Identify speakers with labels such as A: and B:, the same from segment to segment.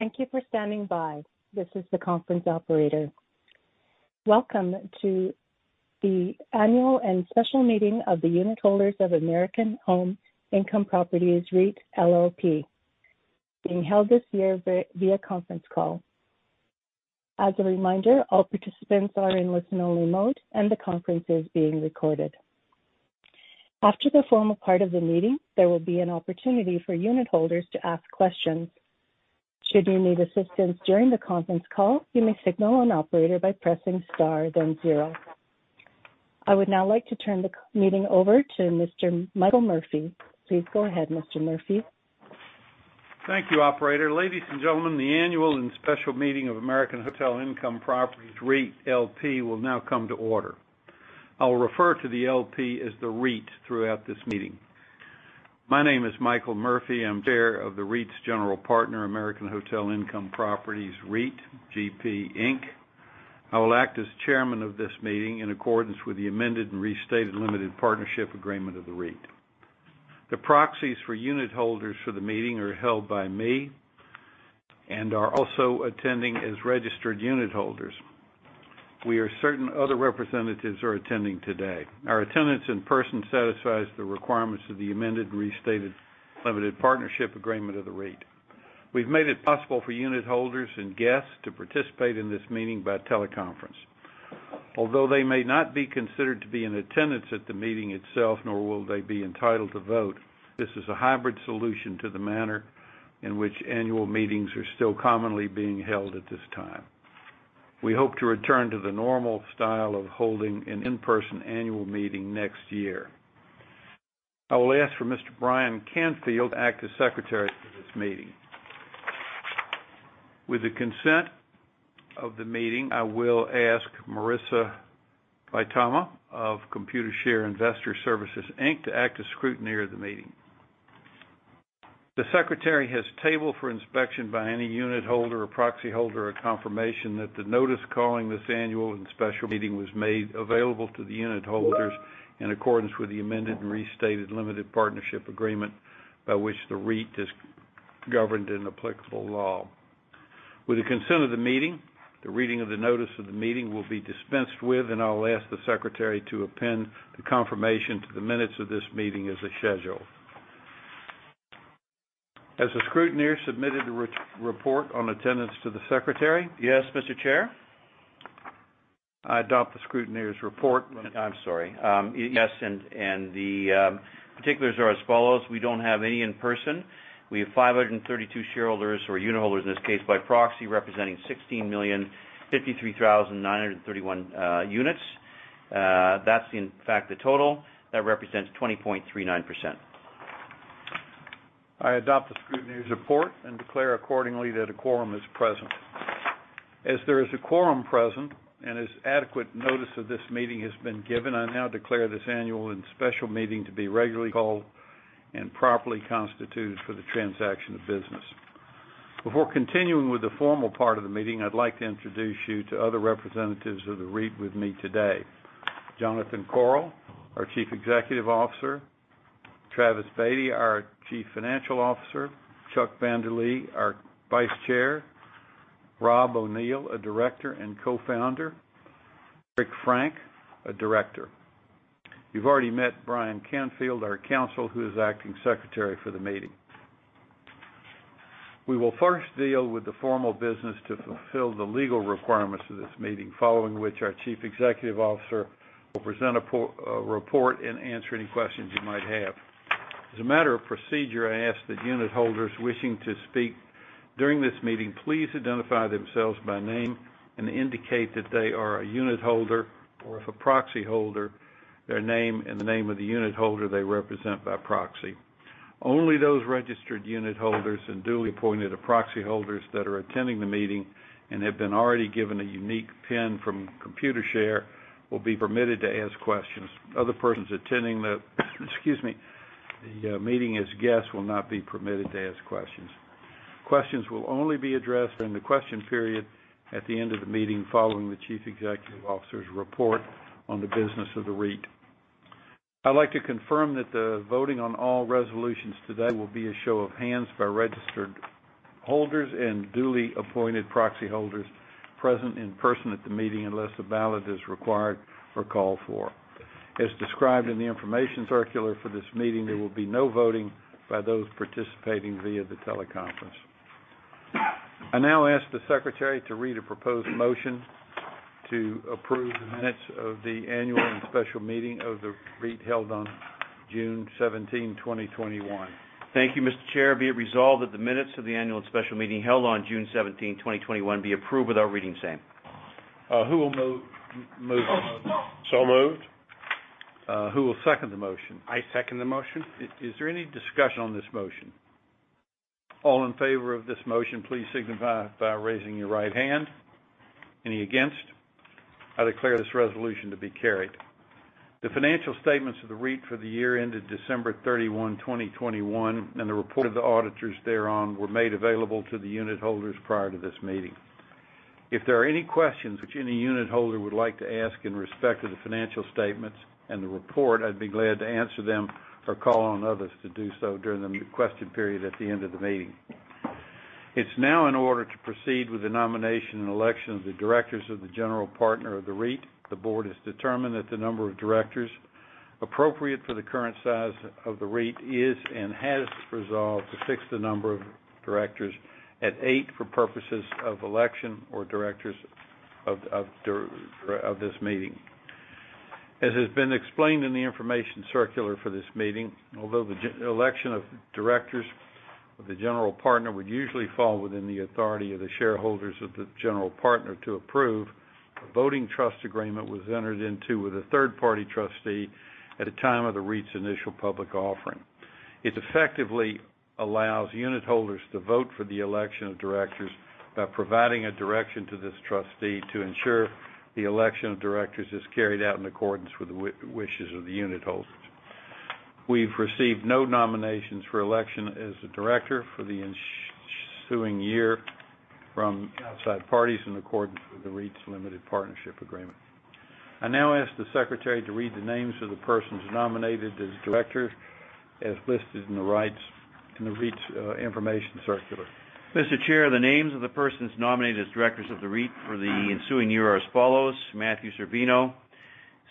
A: Thank you for standing by. This is the conference operator. Welcome to the Annual and Special Meeting of the Unitholders of American Hotel Income Properties REIT LP, being held this year via conference call. As a reminder, all participants are in listen-only mode, and the conference is being recorded. After the formal part of the meeting, there will be an opportunity for unitholders to ask questions. Should you need assistance during the conference call, you may signal an operator by pressing star then zero. I would now like to turn the meeting over to Mr. Michael Murphy. Please go ahead, Mr. Murphy.
B: Thank you, operator. Ladies and gentlemen, the Annual and Special Meeting of American Hotel Income Properties REIT LP will now come to order. I'll refer to the LP as the REIT throughout this meeting. My name is Michael Murphy. I'm Chair of the REIT's general partner, American Hotel Income Properties REIT GP Inc. I will act as chairman of this meeting in accordance with the amended and restated limited partnership agreement of the REIT. The proxies for unitholders for the meeting are held by me and are also attending as registered unitholders. We are certain other representatives are attending today. Our attendance in person satisfies the requirements of the amended and restated limited partnership agreement of the REIT. We've made it possible for unitholders and guests to participate in this meeting by teleconference. Although they may not be considered to be in attendance at the meeting itself, nor will they be entitled to vote, this is a hybrid solution to the manner in which annual meetings are still commonly being held at this time. We hope to return to the normal style of holding an in-person annual meeting next year. I will ask for Mr. Brian Canfield to act as secretary for this meeting. With the consent of the meeting, I will ask Marisa Vitanza of Computershare Investor Services Inc. to act as scrutineer of the meeting. The secretary has tabled for inspection by any unitholder or proxyholder, a confirmation that the notice calling this annual and special meeting was made available to the unitholders in accordance with the amended and restated limited partnership agreement by which the REIT is governed in applicable law. With the consent of the meeting, the reading of the notice of the meeting will be dispensed with, and I'll ask the Secretary to append the confirmation to the minutes of this meeting as a schedule. Has the Scrutineer submitted a report on attendance to the Secretary?
C: Yes, Mr. Chair.
B: I adopt the scrutineer's report.
C: I'm sorry. Yes, and the particulars are as follows: We don't have any in person. We have 532 shareholders or unitholders, in this case, by proxy, representing 16,053,931 units. That's in fact, the total. That represents 20.39%.
B: I adopt the scrutineer's report and declare accordingly that a quorum is present. There is a quorum present and as adequate notice of this meeting has been given, I now declare this annual and special meeting to be regularly called and properly constituted for the transaction of business. Before continuing with the formal part of the meeting, I'd like to introduce you to other representatives of the REIT with me today. Jonathan Korol, our Chief Executive Officer, Travis Beatty, our Chief Financial Officer, Charles van der Lee, our Vice Chair, Robert O'Neill, a Director and co-founder, Richard Frank, a Director. You've already met Brian Canfield, our counsel, who is acting Secretary for the meeting. We will first deal with the formal business to fulfill the legal requirements of this meeting, following which our Chief Executive Officer will present a report and answer any questions you might have. As a matter of procedure, I ask that unitholders wishing to speak during this meeting, please identify themselves by name and indicate that they are a unitholder, or if a proxyholder, their name and the name of the unitholder they represent by proxy. Only those registered unitholders and duly appointed proxyholders that are attending the meeting and have been already given a unique pin from Computershare, will be permitted to ask questions. Other persons attending the, excuse me, the meeting as guests will not be permitted to ask questions. Questions will only be addressed during the question period at the end of the meeting, following the Chief Executive Officer's report on the business of the REIT. I'd like to confirm that the voting on all resolutions today will be a show of hands by registered holders and duly appointed proxyholders present in person at the meeting, unless a ballot is required or called for. As described in the information circular for this meeting, there will be no voting by those participating via the teleconference. I now ask the secretary to read a proposed motion to approve the minutes of the annual and special meeting of the REIT held on June 17, 2021.
C: Thank you, Mr. Chair. Be it resolved that the minutes of the annual and special meeting held on June 17, 2021, be approved without reading the same.
B: Who will move on?
A: Moved.
B: Who will second the motion?
C: I second the motion.
B: Is there any discussion on this motion? All in favor of this motion, please signify by raising your right hand. Any against? I declare this resolution to be carried. The financial statements of the REIT for the year ended December 31, 2021, and the report of the auditors thereon, were made available to the unitholders prior to this meeting. If there are any questions which any unitholder would like to ask in respect to the financial statements and the report, I'd be glad to answer them or call on others to do so during the question period at the end of the meeting. It's now in order to proceed with the nomination and election of the directors of the general partner of the REIT. The board has determined that the number of directors appropriate for the current size of the REIT is, and has resolved to fix the number of directors at eight for purposes of election of this meeting. As has been explained in the information circular for this meeting, although the election of directors of the general partner would usually fall within the authority of the shareholders of the general partner to approve, a voting trust agreement was entered into with a third-party trustee at the time of the REIT's initial public offering. It effectively allows unitholders to vote for the election of directors by providing a direction to this trustee to ensure the election of directors is carried out in accordance with the wishes of the unitholders. We've received no nominations for election as the director for the ensuing year from outside parties in accordance with the REIT's limited partnership agreement. I now ask the secretary to read the names of the persons nominated as directors, as listed in the REIT's information circular.
C: Mr. Chair, the names of the persons nominated as directors of the REIT for the ensuing year are as follows: Matthew Cervino,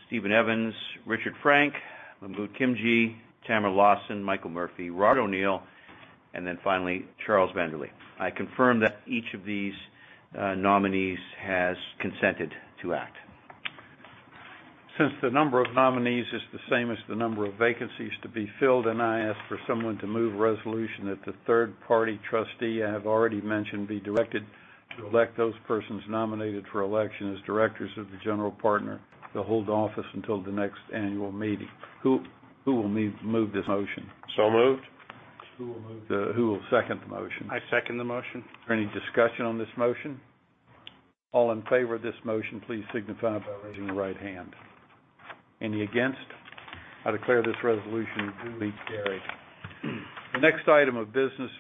C: Stephen Evans, Richard Frank, Mahmood Khimji, Tamara Lawson, Michael Murphy, Rod O'Neill, and then finally, Charles van der Lee. I confirm that each of these nominees has consented to act.
B: Since the number of nominees is the same as the number of vacancies to be filled, I ask for someone to move a resolution that the third-party trustee I have already mentioned, be directed to elect those persons nominated for election as directors of the general partner to hold office until the next annual meeting. Who will move this motion? So moved. Who will second the motion? I second the motion. Is there any discussion on this motion? All in favor of this motion, please signify by raising your right hand. Any against? I declare this resolution duly carried. The next item of business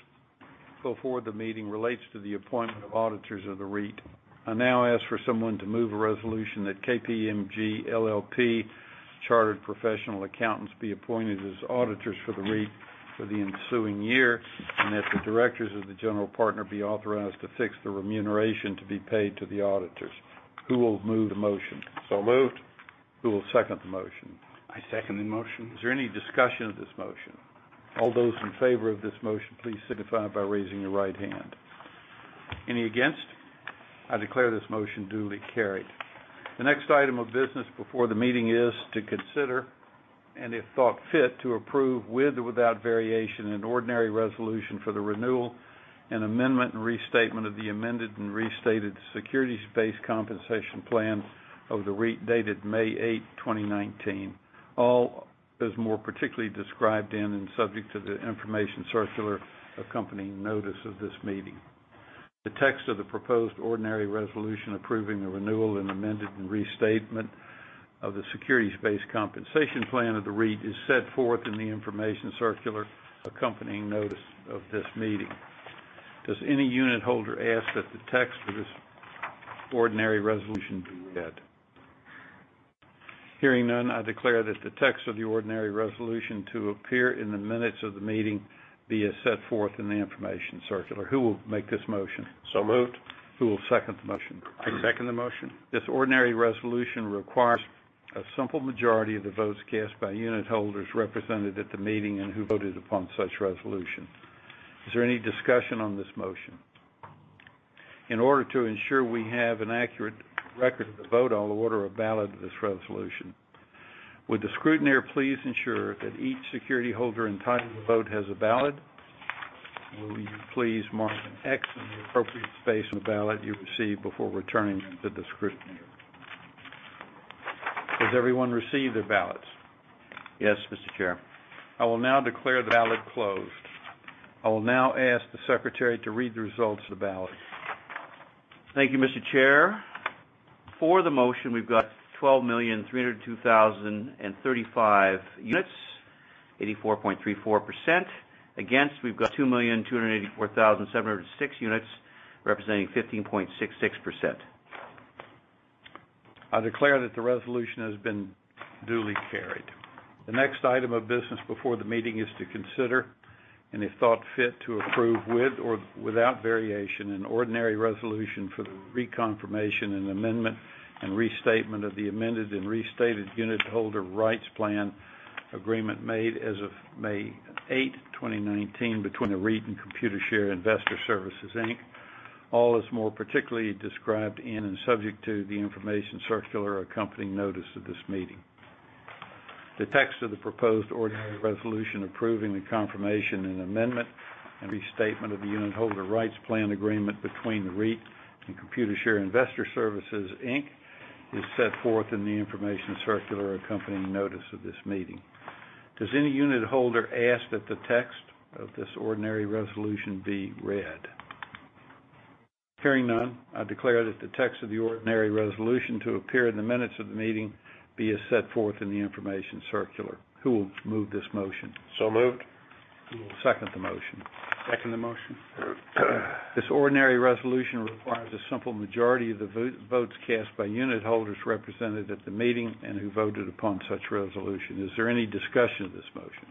B: before the meeting relates to the appointment of auditors of the REIT. I now ask for someone to move a resolution that KPMG LLP, Chartered Professional Accountants, be appointed as auditors for the REIT for the ensuing year, and that the directors of the general partner be authorized to fix the remuneration to be paid to the auditors. Who will move the motion? So moved. Who will second the motion? I second the motion. Is there any discussion of this motion? All those in favor of this motion, please signify by raising your right hand. Any against? I declare this motion duly carried. The next item of business before the meeting is to consider, and if thought fit, to approve, with or without variation, an ordinary resolution for the renewal and amendment and restatement of the amended and restated securities-based compensation plan of the REIT, dated May 8, 2019. All as more particularly described in and subject to the information circular accompanying notice of this meeting. The text of the proposed ordinary resolution approving the renewal and amended, and restatement of the securities-based compensation plan of the REIT is set forth in the information circular accompanying notice of this meeting. Does any unitholder ask that the text for this ordinary resolution be read? Hearing none, I declare that the text of the ordinary resolution to appear in the minutes of the meeting be as set forth in the information circular. Who will make this motion? So moved. Who will second the motion? I second the motion. This ordinary resolution requires a simple majority of the votes cast by unitholders represented at the meeting and who voted upon such resolution. Is there any discussion on this motion? In order to ensure we have an accurate record of the vote, I'll order a ballot of this resolution. Would the scrutineer please ensure that each security holder entitled to vote has a ballot? Will you please mark an X in the appropriate space on the ballot you receive before returning them to the scrutineer. Has everyone received their ballots?
C: Yes, Mr. Chair.
B: I will now declare the ballot closed. I will now ask the secretary to read the results of the ballot.
C: Thank you, Mr. Chair. For the motion, we've got 12,302,035 units, 84.34%. Against, we've got 2,284,706 units, representing 15.66%.
B: I declare that the resolution has been duly carried. The next item of business before the meeting is to consider, and if thought fit, to approve, with or without variation, an ordinary resolution for the reconfirmation and amendment and restatement of the amended and restated unitholder rights plan agreement made as of May 8th, 2019, between the REIT and Computershare Investor Services Inc. All as more particularly described in and subject to the information circular accompanying notice of this meeting. The text of the proposed ordinary resolution approving the confirmation and amendment and restatement of the unitholder rights plan agreement between the REIT and Computershare Investor Services Inc. is set forth in the information circular accompanying notice of this meeting. Does any unitholder ask that the text of this ordinary resolution be read? Hearing none, I declare that the text of the ordinary resolution to appear in the minutes of the meeting be as set forth in the information circular. Who will move this motion? Moved.
C: I second the motion.
B: Second the motion. This ordinary resolution requires a simple majority of the votes cast by unitholders represented at the meeting and who voted upon such resolution. Is there any discussion of this motion?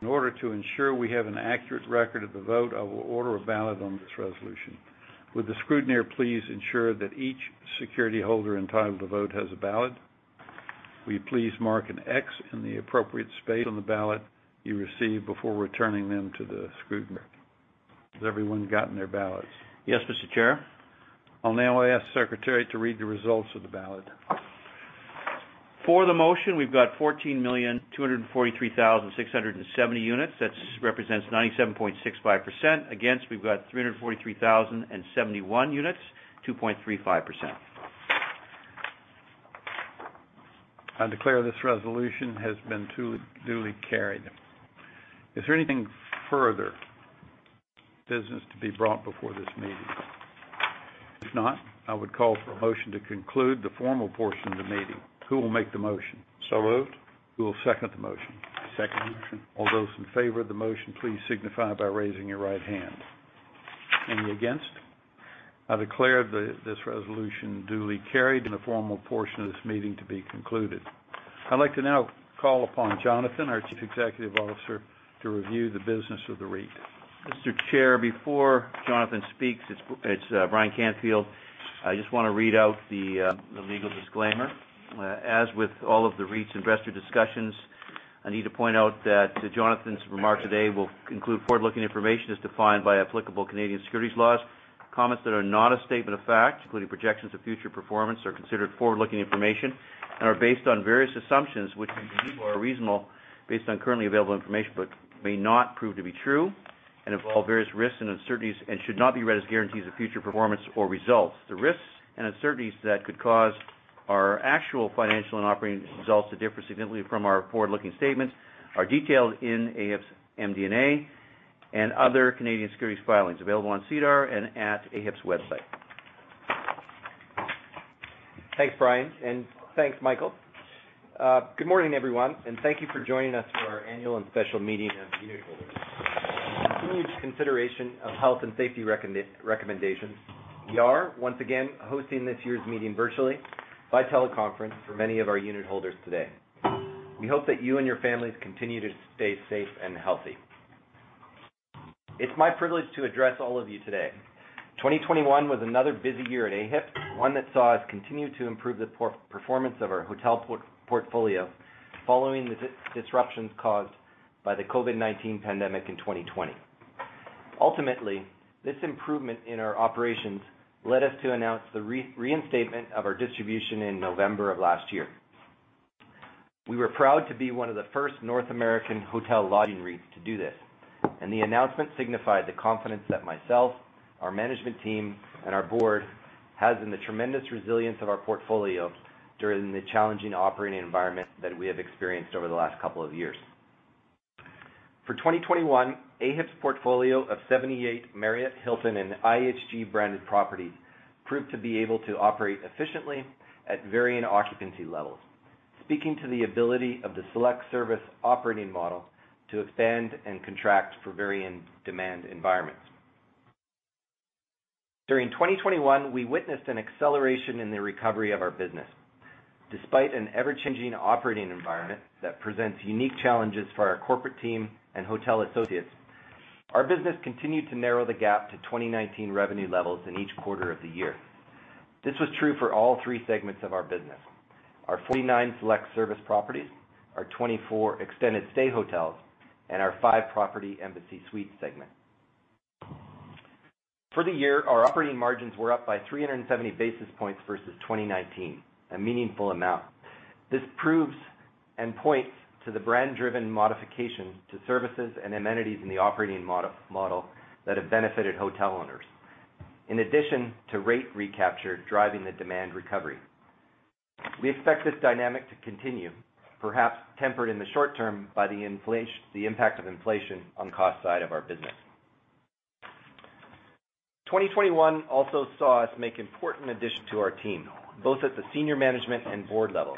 B: In order to ensure we have an accurate record of the vote, I will order a ballot on this resolution. Would the scrutineer please ensure that each security holder entitled to vote has a ballot? Will you please mark an X in the appropriate space on the ballot you receive before returning them to the scrutineer. Has everyone gotten their ballots?
C: Yes, Mr. Chair.
B: I'll now ask the secretary to read the results of the ballot.
C: For the motion, we've got 14,243,670 units. That's represents 97.65%. Against, we've got 343,071 units, 2.35%.
B: I declare this resolution has been duly carried. Is there anything further business to be brought before this meeting? If not, I would call for a motion to conclude the formal portion of the meeting. Who will make the motion?
C: Moved.
B: Who will second the motion?
D: Second.
B: All those in favor of the motion, please signify by raising your right hand. Any against? I declare this resolution duly carried, and the formal portion of this meeting to be concluded. I'd like to now call upon Jonathan, our Chief Executive Officer, to review the business of the REIT.
C: Mr. Chair, before Jonathan speaks, it's Brian Canfield. I just want to read out the legal disclaimer. As with all of the REIT's investor discussions, I need to point out that Jonathan's remarks today will include forward-looking information as defined by applicable Canadian securities laws. Comments that are not a statement of fact, including projections of future performance, are considered forward-looking information and are based on various assumptions, which we believe are reasonable based on currently available information, but may not prove to be true, and involve various risks and uncertainties, and should not be read as guarantees of future performance or results. The risks and uncertainties that could cause our actual financial and operating results to differ significantly from our forward-looking statements are detailed in AHIP's MD&A and other Canadian securities filings available on SEDAR and at AHIP's website.
E: Thanks, Brian. Thanks, Michael. Good morning, everyone, and thank you for joining us for our annual and special meeting of unitholders. In consideration of health and safety recommendations, we are once again hosting this year's meeting virtually by teleconference for many of our unitholders today. We hope that you and your families continue to stay safe and healthy. It's my privilege to address all of you today. 2021 was another busy year at AHIP, one that saw us continue to improve the performance of our hotel portfolio following the disruptions caused by the COVID-19 pandemic in 2020. Ultimately, this improvement in our operations led us to announce the reinstatement of our distribution in November of last year. We were proud to be one of the first North American hotel lodging REITs to do this, and the announcement signified the confidence that myself, our management team, and our board has in the tremendous resilience of our portfolio during the challenging operating environment that we have experienced over the last couple of years. For 2021, AHIP's portfolio of 78 Marriott, Hilton, and IHG-branded properties proved to be able to operate efficiently at varying occupancy levels, speaking to the ability of the select service operating model to expand and contract for varying demand environments. During 2021, we witnessed an acceleration in the recovery of our business. Despite an ever-changing operating environment that presents unique challenges for our corporate team and hotel associates, our business continued to narrow the gap to 2019 revenue levels in each quarter of the year. This was true for all three segments of our business: our 49 select service properties, our 24 extended stay hotels, and our five property Embassy Suites segment. For the year, our operating margins were up by 370 basis points versus 2019, a meaningful amount. This proves and points to the brand-driven modifications to services and amenities in the operating model that have benefited hotel owners, in addition to rate recapture driving the demand recovery. We expect this dynamic to continue, perhaps tempered in the short term, by the impact of inflation on the cost side of our business. 2021 also saw us make important additions to our team, both at the senior management and board level.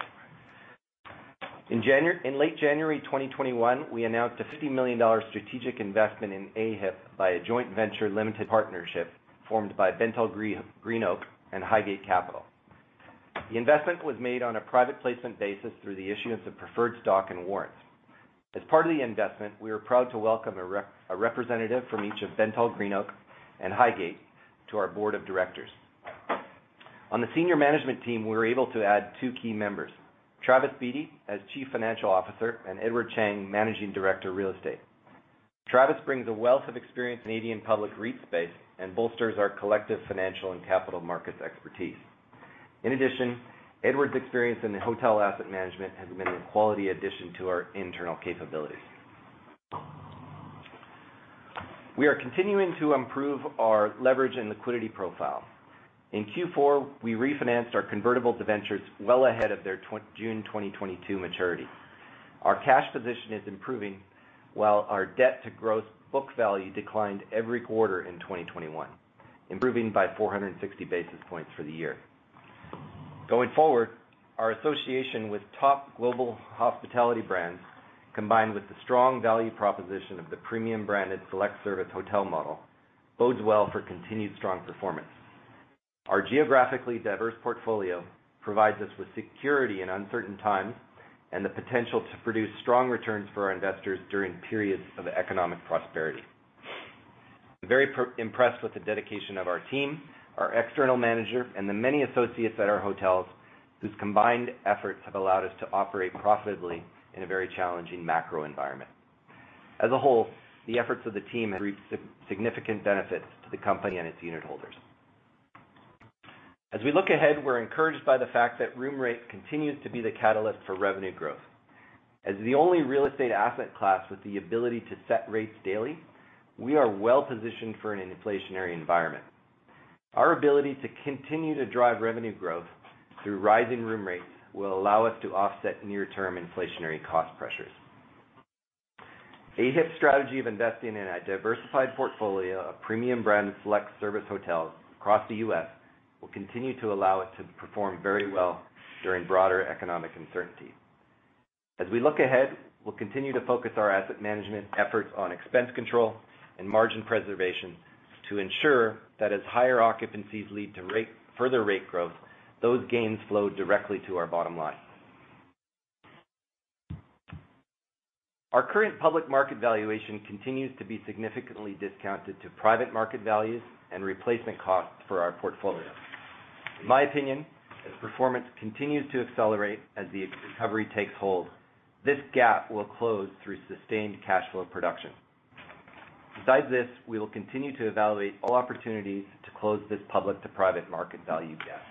E: In late January 2021, we announced a $50 million strategic investment in AHIP by a joint venture limited partnership formed by BentallGreenOak and Highgate. The investment was made on a private placement basis through the issuance of preferred stock and warrants. As part of the investment, we are proud to welcome a representative from each of BentallGreenOak and Highgate to our board of directors. On the senior management team, we were able to add two key members, Travis Beatty as Chief Financial Officer and Edward Chang, Managing Director, Real Estate. Travis brings a wealth of experience in the Canadian public REIT space and bolsters our collective financial and capital markets expertise. Edward's experience in the hotel asset management has been a quality addition to our internal capabilities. We are continuing to improve our leverage and liquidity profile. In Q4, we refinanced our convertible debentures well ahead of their June 2022 maturity. Our cash position is improving, while our debt to gross book value declined every quarter in 2021, improving by 460 basis points for the year. Going forward, our association with top global hospitality brands, combined with the strong value proposition of the premium branded select service hotel model, bodes well for continued strong performance. Our geographically diverse portfolio provides us with security in uncertain times, and the potential to produce strong returns for our investors during periods of economic prosperity. I'm very impressed with the dedication of our team, our external manager, and the many associates at our hotels, whose combined efforts have allowed us to operate profitably in a very challenging macro environment. As a whole, the efforts of the team have reaped significant benefits to the company and its unitholders. As we look ahead, we're encouraged by the fact that room rate continues to be the catalyst for revenue growth. As the only real estate asset class with the ability to set rates daily, we are well positioned for an inflationary environment. Our ability to continue to drive revenue growth through rising room rates will allow us to offset near-term inflationary cost pressures. AHIP's strategy of investing in a diversified portfolio of premium brand select service hotels across the US, will continue to allow us to perform very well during broader economic uncertainty. As we look ahead, we'll continue to focus our asset management efforts on expense control and margin preservation, to ensure that as higher occupancies lead to further rate growth, those gains flow directly to our bottom line. Our current public market valuation continues to be significantly discounted to private market values and replacement costs for our portfolio. In my opinion, as performance continues to accelerate as the recovery takes hold, this gap will close through sustained cash flow production. Besides this, we will continue to evaluate all opportunities to close this public to private market value gap.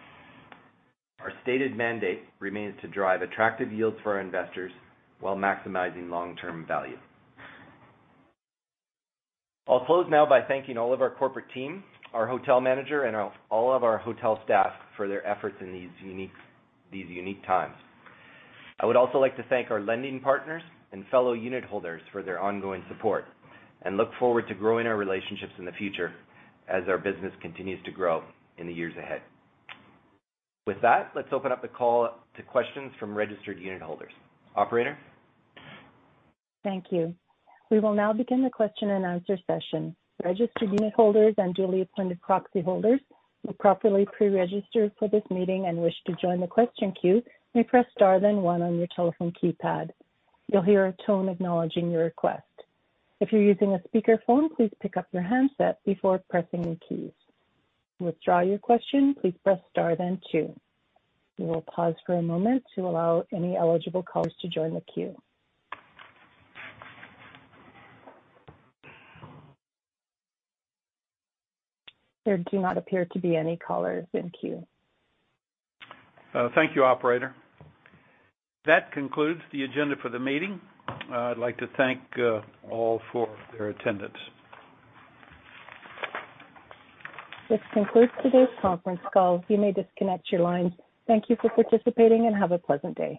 E: Our stated mandate remains to drive attractive yields for our investors while maximizing long-term value. I'll close now by thanking all of our corporate team, our hotel manager, and all of our hotel staff for their efforts in these unique times. I would also like to thank our lending partners and fellow unitholders for their ongoing support, and look forward to growing our relationships in the future as our business continues to grow in the years ahead. With that, let's open up the call to questions from registered unitholders. Operator?
A: Thank you. We will now begin the question and answer session. Registered unitholders and duly appointed proxy holders, who properly pre-registered for this meeting and wish to join the question queue, may press star then one on your telephone keypad. You'll hear a tone acknowledging your request. If you're using a speakerphone, please pick up your handset before pressing the keys. To withdraw your question, please press star, then two. We will pause for a moment to allow any eligible callers to join the queue. There do not appear to be any callers in queue.
B: Thank you, operator. That concludes the agenda for the meeting. I'd like to thank all for their attendance.
A: This concludes today's conference call. You may disconnect your lines. Thank you for participating, and have a pleasant day.